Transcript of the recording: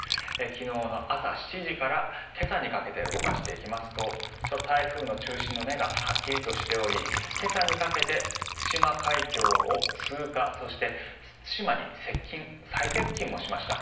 昨日の朝７時から今朝にかけて動かしていきますとちょうど台風の中心の目がはっきりとしており今朝にかけて対馬海峡を通過そして対馬に再接近もしました。